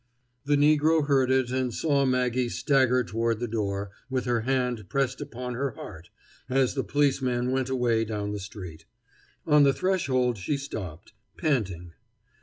The negro heard it and saw Maggie stagger toward the door, with her hand pressed upon her heart, as the policeman went away down the street. On the threshold she stopped, panting.